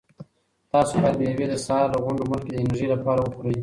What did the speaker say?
تاسو باید مېوې د سهار له غونډو مخکې د انرژۍ لپاره وخورئ.